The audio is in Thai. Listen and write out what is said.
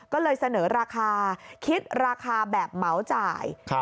ก็เลยเสนอราคาคิดราคาแบบเหมาจ่าย